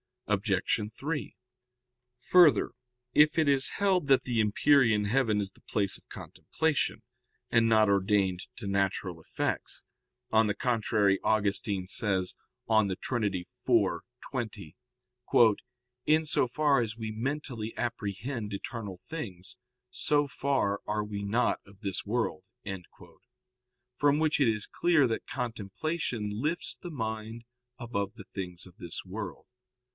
Obj. 3: Further, if it is held that the empyrean heaven is the place of contemplation, and not ordained to natural effects; on the contrary, Augustine says (De Trin. iv, 20): "In so far as we mentally apprehend eternal things, so far are we not of this world"; from which it is clear that contemplation lifts the mind above the things of this world.